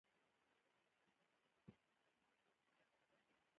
د اوړي موسم کي ننګرهار ډير ګرم وي